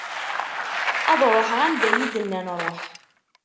Ad ruḥeɣ anda i yi-d-nnan ruḥ.